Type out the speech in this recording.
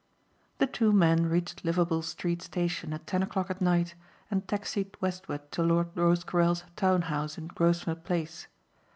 The two men reached Liverpool Street station at ten o'clock at night and taxied westward to Lord Rosecarrel's town house in Grosvenor Place.